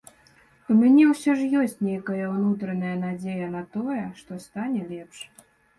У мяне ўсё ж ёсць нейкая ўнутраная надзея на тое, што стане лепш.